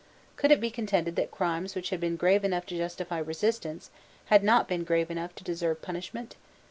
Could it be contended that crimes which had been grave enough to justify resistance had not been grave enough to deserve punishment?